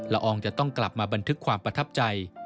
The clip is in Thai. อองจะต้องกลับมาบันทึกความประทับใจ